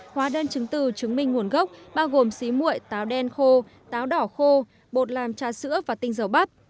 hóa đơn chứng từ chứng minh nguồn gốc bao gồm xí mụi táo đen khô táo đỏ khô bột làm trà sữa và tinh dầu bắp